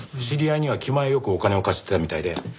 知り合いには気前よくお金を貸してたみたいで。